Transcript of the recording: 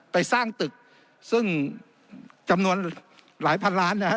ไปสร้างตึกซึ่งจำนวนหลายพันล้านนะฮะ